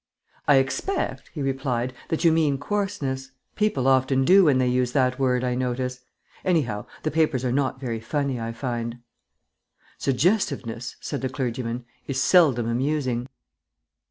"I expect," he replied, "that you mean coarseness. People often do when they use that word, I notice. Anyhow, the papers are not very funny, I find." "Suggestiveness," said the clergyman, "is seldom amusing."